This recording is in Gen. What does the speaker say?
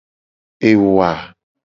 Ewa.